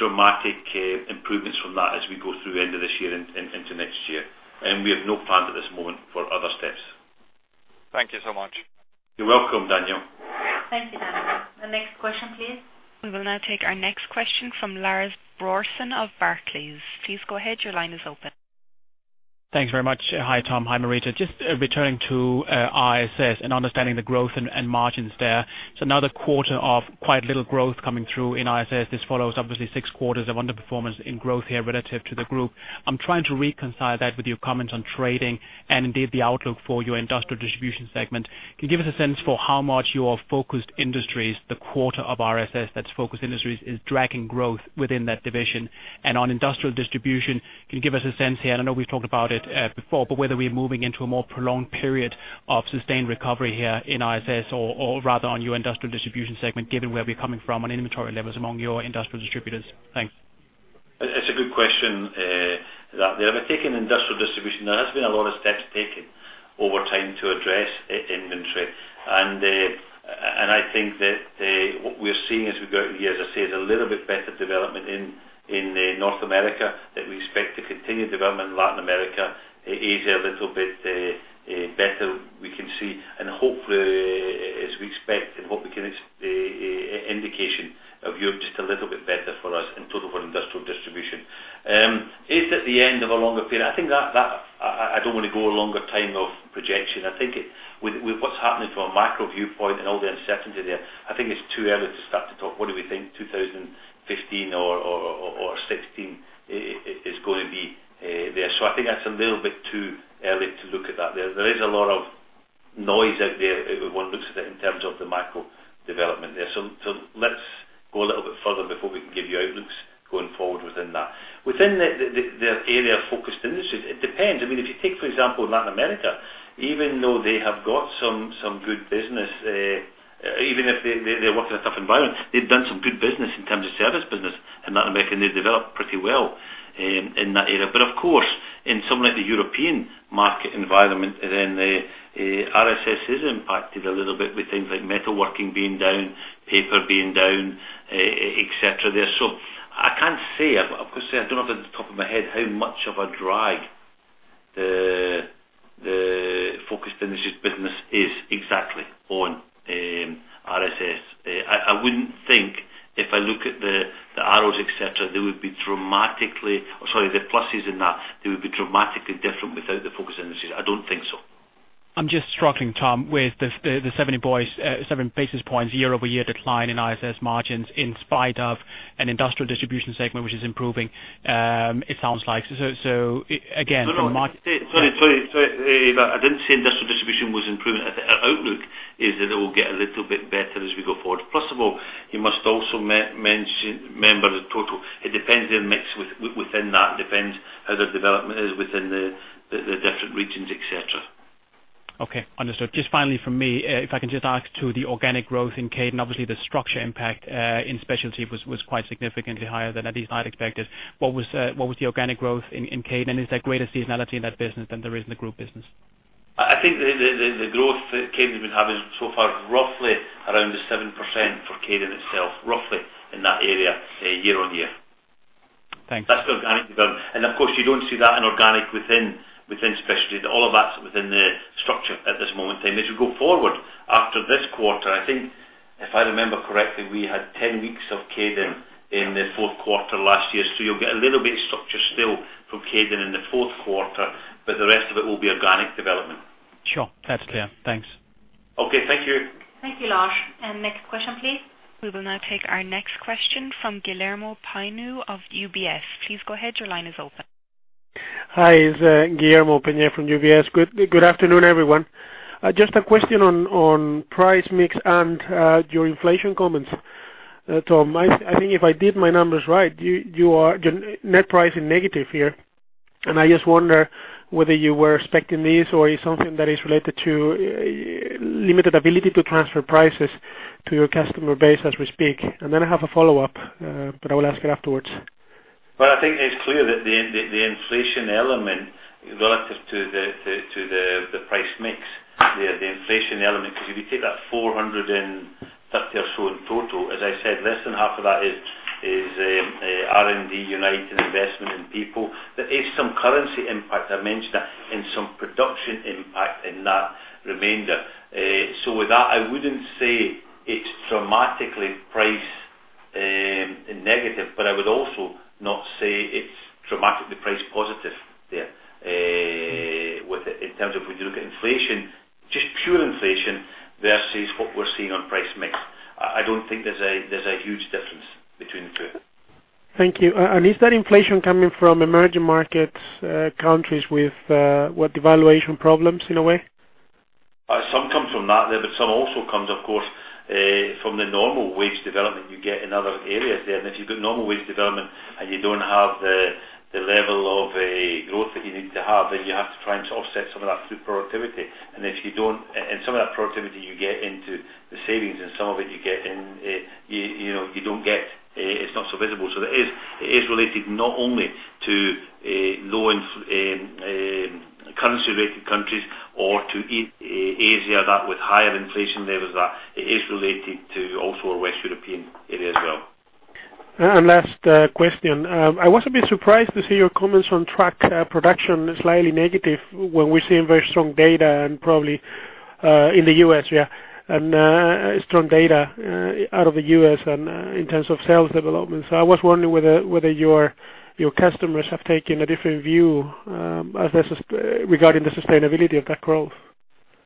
dramatic improvements from that as we go through the end of this year and into next year. And we have no plans at this moment for other steps. Thank you so much. You're welcome, Daniel. Thank you, Daniel. The next question, please. We will now take our next question from Lars Brorson of Barclays. Please go ahead. Your line is open. Thanks very much. Hi, Tom. Hi, Marita. Just returning to ISS and understanding the growth and margins there. So another quarter of quite little growth coming through in ISS. This follows obviously six quarters of underperformance in growth here relative to the group. I'm trying to reconcile that with your comments on trading and indeed, the outlook for your industrial distribution segment. Can you give us a sense for how much your focused industries, the quarter of RSS that's focused industries, is dragging growth within that division? And on industrial distribution, can you give us a sense here? I know we've talked about it before, but whether we're moving into a more prolonged period of sustained recovery here in ISS, or rather on your industrial distribution segment, given where we're coming from on inventory levels among your industrial distributors? Thanks. It's a good question, that. If I take industrial distribution, there has been a lot of steps taken over time to address inventory. And I think that what we're seeing as we go through the year, as I say, is a little bit better development in North America, that we expect to continue development in Latin America. Asia a little bit better we can see, and hopefully, as we expect, and hopefully get it indication of Europe just a little bit better for us in total for industrial distribution. Is it the end of a longer period? I think that I don't want to go a longer time of projection. I think it... With what's happening to our macro viewpoint and all the uncertainty there, I think it's too early to start to talk what we think 2015 or 2016 is going to be there. So I think that's a little bit too early to look at that. There is a lot of noise out there, if one looks at it, in terms of the macro development there. So let's go a little bit further before we can give you outlooks going forward within that. Within the area of focused industries, it depends. I mean, if you take, for example, Latin America, even though they have got some good business, even if they work in a tough environment, they've done some good business in terms of service business. In Latin America, they've developed pretty well in that area. But of course, in somewhere like the European market environment, then the RSS is impacted a little bit with things like metalworking being down, paper being down, et cetera, there. So I can't say. I've got to say, I don't have it off the top of my head, how much of a drag the Strategic Industries business is exactly on RSS. I wouldn't think if I look at the arrows, et cetera, they would be dramatically... Or sorry, the pluses in that, they would be dramatically different without the Strategic Industries. I don't think so. I'm just struggling, Tom, with the 70 basis points year-over-year decline in ISS margins, in spite of an industrial distribution segment, which is improving, it sounds like. So, again, from my- Sorry, sorry, sorry. I didn't say industrial distribution was improving. Our outlook is that it will get a little bit better as we go forward. First of all, you must also remember the total. It depends on the mix within that. It depends how the development is within the different regions, et cetera. Okay, understood. Just finally from me, if I can just ask to the organic growth in Kaydon. Obviously, the structure impact in specialty was, was quite significantly higher than at least I'd expected. What was, what was the organic growth in, in Kaydon? And is there greater seasonality in that business than there is in the group business? I think the growth that Kaydon has been having so far, roughly around the 7% for Kaydon itself, roughly in that area, year-on-year. Thanks. That's the organic growth. And of course, you don't see that in organic within, within specialty. All of that's within the structure at this moment in time. As you go forward, after this quarter, I think, if I remember correctly, we had 10 weeks of Kaydon in the fourth quarter last year. So you'll get a little bit of structure still from Kaydon in the fourth quarter, but the rest of it will be organic development. Sure. That's clear. Thanks. Okay. Thank you. Thank you, Lars. Next question, please. We will now take our next question from Guillermo Peigneux of UBS. Please go ahead. Your line is open. Hi, it's Guillermo Peigneux from UBS. Good afternoon, everyone. Just a question on price mix and your inflation comments. Tom, I think if I did my numbers right, your net price is negative here, and I just wonder whether you were expecting this, or is something that is related to limited ability to transfer prices to your customer base as we speak? And then I have a follow-up, but I will ask it afterwards. Well, I think it's clear that the inflation element relative to the price mix, because if you take that 430 or so in total, as I said, less than half of that is R&D, Unite investment in people. There is some currency impact, I mentioned that, and some production impact in that remainder. So with that, I wouldn't say it's dramatically priced negative, but I would also not say it's dramatically priced positive there. With it, in terms of we look at inflation, just pure inflation, versus what we're seeing on price mix. I don't think there's a huge difference between the two.... Thank you. And is that inflation coming from emerging markets, countries with what devaluation problems, in a way? Some comes from that there, but some also comes, of course, from the normal wage development you get in other areas there. And if you've got normal wage development, and you don't have the level of growth that you need to have, then you have to try and to offset some of that through productivity. And if you don't. And some of that productivity you get into the savings, and some of it you get in, you know, you don't get, it's not so visible. So that is, it is related not only to low inflation currency-related countries or to Asia with higher inflation levels, that it is related to also a West European area as well. Last question. I was a bit surprised to see your comments on truck production, slightly negative, when we're seeing very strong data and probably in the U.S. And strong data out of the U.S. and in terms of sales development. So I was wondering whether your customers have taken a different view as regarding the sustainability of that growth.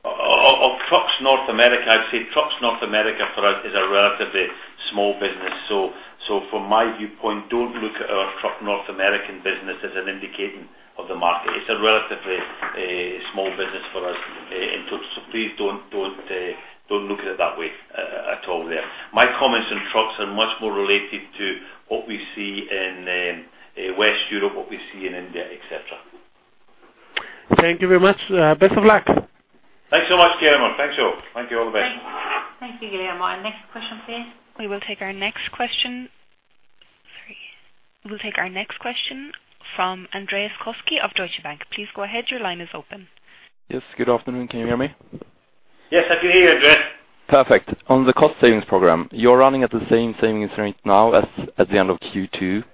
Of trucks North America, I'd say trucks North America, for us, is a relatively small business. So from my viewpoint, don't look at our truck North American business as an indication of the market. It's a relatively small business for us in total. So please don't look at it that way, at all there. My comments on trucks are much more related to what we see in West Europe, what we see in India, et cetera. Thank you very much. Best of luck. Thanks so much, Guillermo. Thanks all. Thank you, all the best. Thank you, Guillermo. Next question, please. We will take our next question... Sorry. We'll take our next question from Andreas Koski of Deutsche Bank. Please go ahead. Your line is open. Yes, good afternoon. Can you hear me? Yes, I can hear you, Andreas. Perfect. On the cost savings program, you're running at the same savings rate now as at the end of Q2.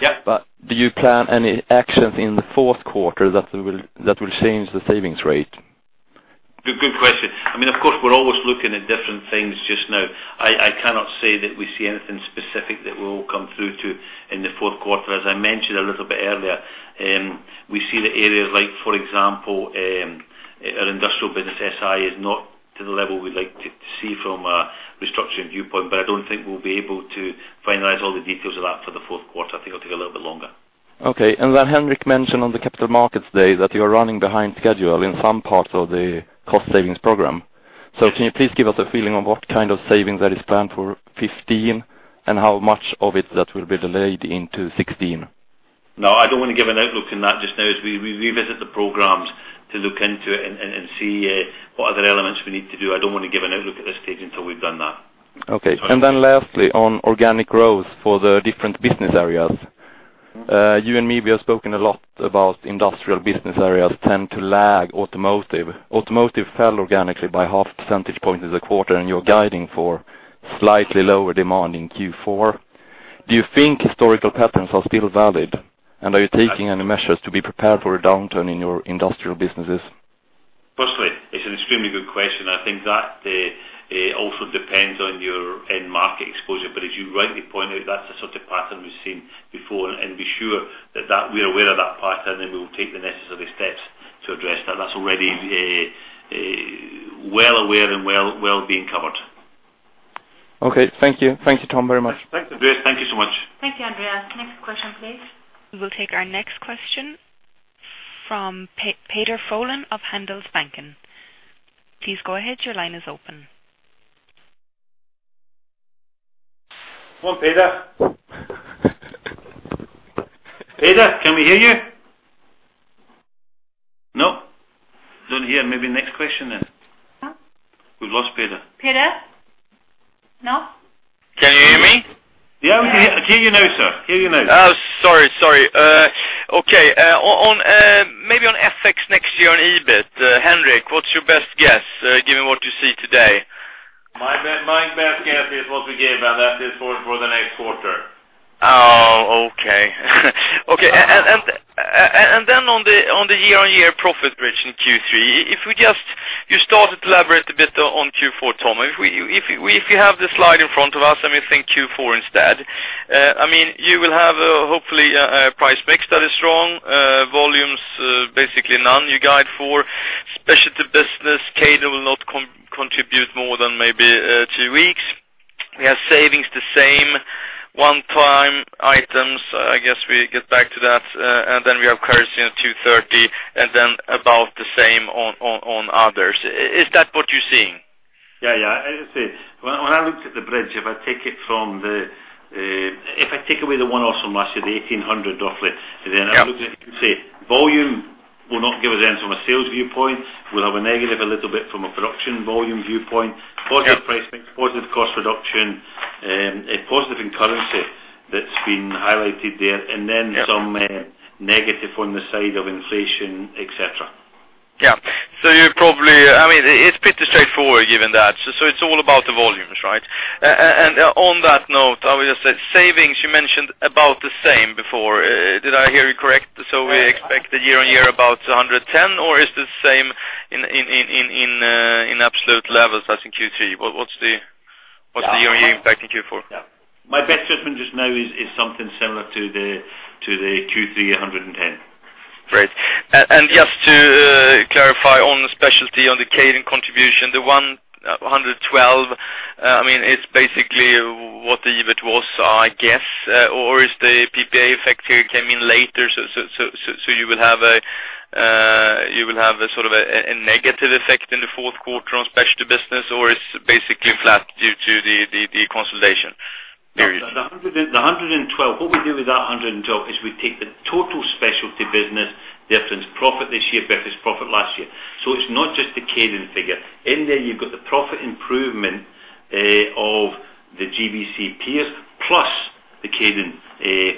Yeah. But do you plan any actions in the fourth quarter that will change the savings rate? Good, good question. I mean, of course, we're always looking at different things just now. I cannot say that we see anything specific that will come through to in the fourth quarter. As I mentioned a little bit earlier, we see the areas like, for example, our industrial business, SI, is not to the level we'd like to see from a restructuring viewpoint, but I don't think we'll be able to finalize all the details of that for the fourth quarter. I think it'll take a little bit longer. Okay. Then Henrik mentioned on the Capital Markets Day that you are running behind schedule in some parts of the cost savings program. Can you please give us a feeling of what kind of savings that is planned for 2015, and how much of it that will be delayed into 2016? No, I don't want to give an outlook on that just now. As we revisit the programs to look into it and see what other elements we need to do. I don't want to give an outlook at this stage until we've done that. Okay. Then lastly, on organic growth for the different business areas. You and me, we have spoken a lot about industrial business areas tend to lag automotive. Automotive fell organically by 0.5 percentage points as a quarter, and you're guiding for slightly lower demand in Q4. Do you think historical patterns are still valid, and are you taking any measures to be prepared for a downturn in your industrial businesses? Firstly, it's an extremely good question. I think that also depends on your end market exposure. But as you rightly point out, that's the sort of pattern we've seen before. And be sure that we are aware of that pattern, and we will take the necessary steps to address that. That's already well aware and well being covered. Okay. Thank you. Thank you, Tom, very much. Thank you, Andreas. Thank you so much. Thank you, Andreas. Next question, please. We will take our next question from Peder Frölén of Handelsbanken. Please go ahead. Your line is open. Come on, Peder. Peder, can we hear you? No? Don't hear. Maybe next question then. Oh. We've lost Peder. Peder? No. Can you hear me? Yeah, we can hear you now, sir. Hear you now. Oh, sorry, sorry. Okay, maybe on FX next year on EBIT, Henrik, what's your best guess, given what you see today? My best guess is what we gave, and that is for the next quarter. Oh, okay. Okay, and, and, and then on the year-on-year profit bridge in Q3, if we just... You started to elaborate a bit on Q4, Tom. If you have the slide in front of us, let me think Q4 instead. I mean, you will have, hopefully, a price mix that is strong, volumes, basically none you guide for. Specialty business, Kaydon will not contribute more than maybe two weeks. We have savings the same, one-time items, I guess we get back to that, and then we have currency in 230, and then about the same on others. Is that what you're seeing? Yeah, yeah. As I say, when I looked at the bridge, if I take away the one-offs from last year, the 1,800 roughly- Yeah Then I look at it and say, volume will not give us anything from a sales viewpoint. We'll have a negative, a little bit from a production volume viewpoint. Yeah. Positive price, positive cost reduction, a positive in currency that's been highlighted there- Yeah and then some negative on the side of inflation, et cetera. Yeah. So you're probably... I mean, it's pretty straightforward, given that. So it's all about the volumes, right? And on that note, I would just say, savings, you mentioned about the same before. Did I hear you correct? So we expect the year-on-year about 110, or is this same in absolute levels as in Q3? What's the year impact in Q4? Yeah. My best judgment just now is something similar to the Q3 110. ... Great. And just to clarify on the specialty on the Kaydon contribution, the 112, I mean, it's basically what the EBIT was, I guess, or is the PPA effect here came in later, so you will have a sort of a negative effect in the fourth quarter on specialty business, or it's basically flat due to the consolidation period? The 112. What we do with that 112 is we take the total specialty business, difference profit this year versus profit last year. It's not just the Kaydon figure. In there, you've got the profit improvement of the GBC, PEERs plus the Kaydon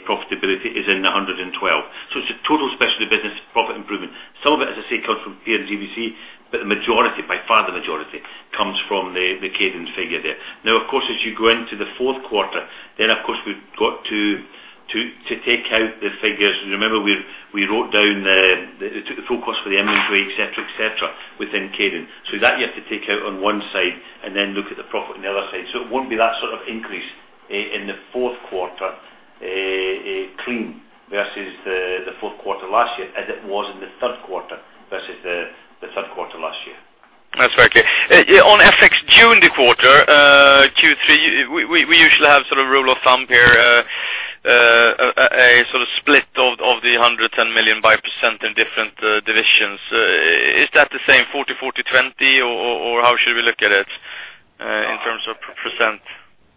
profitability is in the 112. So it's a total specialty business profit improvement. Some of it, as I say, comes from PEER, GBC, but the majority, by far the majority, comes from the Kaydon figure there. Now, of course, as you go into the fourth quarter, we've got to take out the figures. Remember, we wrote down the, took the full cost for the inventory, et cetera, et cetera, within Kaydon. So that you have to take out on one side and then look at the profit on the other side. So it won't be that sort of increase in the fourth quarter clean versus the fourth quarter last year, as it was in the third quarter versus the third quarter last year. That's very clear. Yeah, on FX June the quarter, Q3, we usually have sort of rule of thumb here, a sort of split of the 110 million by percent in different divisions. Is that the same 40/40/20, or how should we look at it in terms of percent?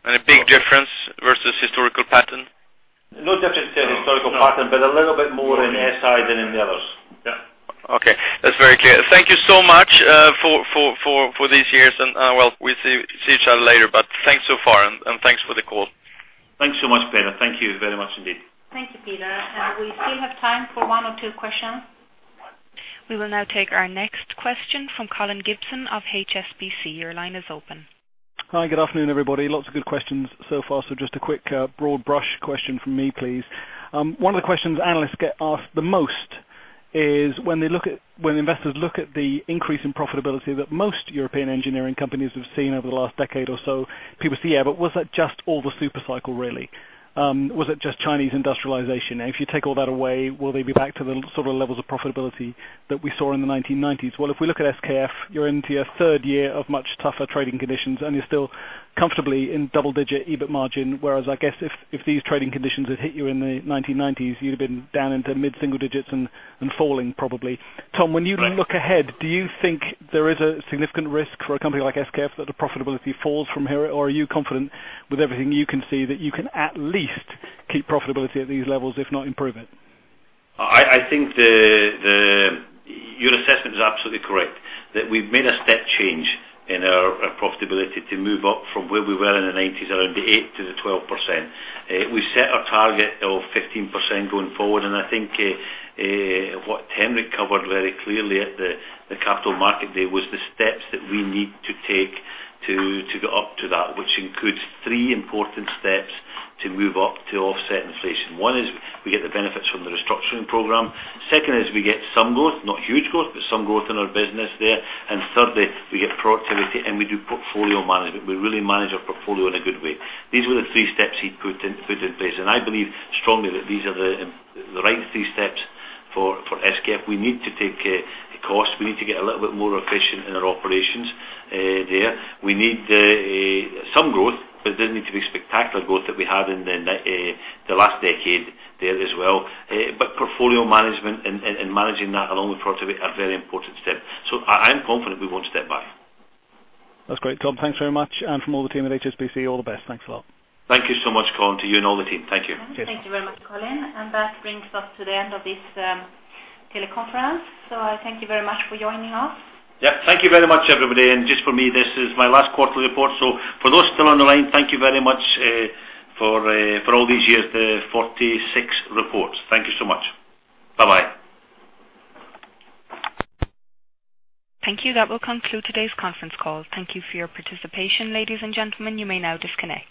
Any big difference versus historical pattern? No difference in historical pattern. No. But a little bit more in ISS than in the others. Yeah. Okay, that's very clear. Thank you so much for these years. And, well, we'll see each other later. But thanks so far, and thanks for the call. Thanks so much, Peder. Thank you very much indeed. Thank you, Peder. We still have time for one or two questions. We will now take our next question from Colin Gibson of HSBC. Your line is open. Hi, good afternoon, everybody. Lots of good questions so far, so just a quick broad brush question from me, please. One of the questions analysts get asked the most is when they look at... When investors look at the increase in profitability that most European engineering companies have seen over the last decade or so, people say, "Yeah, but was that just all the super cycle, really? Was it just Chinese industrialization? And if you take all that away, will they be back to the sort of levels of profitability that we saw in the 1990s?" Well, if we look at SKF, you're into your third year of much tougher trading conditions, and you're still comfortably in double digit EBIT margin. Whereas, I guess, if these trading conditions had hit you in the 1990s, you'd have been down into mid-single digits and falling, probably. Tom- Right. When you look ahead, do you think there is a significant risk for a company like SKF, that the profitability falls from here? Or are you confident with everything you can see, that you can at least keep profitability at these levels, if not improve it? I think. Your assessment is absolutely correct. That we've made a step change in our profitability to move up from where we were in the nineties, around the 8%-12%. We set a target of 15% going forward, and I think what Henrik covered very clearly at the Capital Markets Day was the steps that we need to take to get up to that. Which includes three important steps to move up to offset inflation. One is, we get the benefits from the restructuring program. Second is, we get some growth, not huge growth, but some growth in our business there. And thirdly, we get productivity, and we do portfolio management. We really manage our portfolio in a good way. These were the three steps he put in, put in place, and I believe strongly that these are the right three steps for SKF. We need to take the cost. We need to get a little bit more efficient in our operations there. We need some growth, but it doesn't need to be spectacular growth that we had in the nine- the last decade there as well. But portfolio management and managing that, along with productivity, are very important step. So I'm confident we won't step back. That's great, Tom. Thanks very much. And from all the team at HSBC, all the best. Thanks a lot. Thank you so much, Colin, to you and all the team. Thank you. Thank you very much, Colin. That brings us to the end of this teleconference. I thank you very much for joining us. Yeah, thank you very much, everybody. Just for me, this is my last quarterly report. For those still on the line, thank you very much for all these years, the 46 reports. Thank you so much. Bye-bye. Thank you. That will conclude today's conference call. Thank you for your participation, ladies and gentlemen. You may now disconnect.